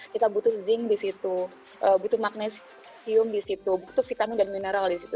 kita butuh zinc di situ butuh magnesium di situ butuh vitamin dan mineral di situ